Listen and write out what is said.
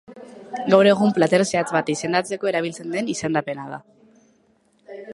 Gaur egun plater zehatz bat izendatzeko erabiltzen den izendapena da.